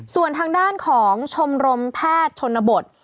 ส่วนทางด้านของชมรมแพทย์ชนบท